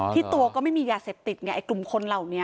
ที่ตัวก็ไม่มียาเสพติดไงไอ้กลุ่มคนเหล่านี้